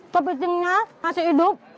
kepitingnya masih hidup